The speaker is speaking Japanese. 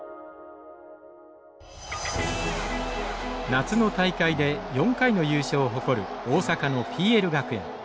夏の大会で４回の優勝を誇る大阪のＰＬ学園。